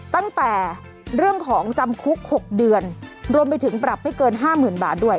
ตั้งแต่เรื่องของจำคุก๖เดือนรวมไปถึงปรับไม่เกิน๕๐๐๐บาทด้วย